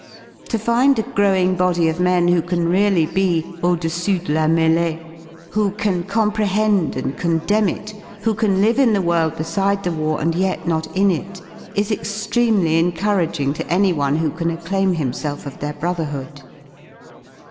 To find a growing body of men who can really ( be "au dessus de la melee," who can comprehend and con /Q demn it, who can live in the world beside the war and yet ^ not in it, is extremely encouraging to anyone who can acclaim himself of their brotherhood.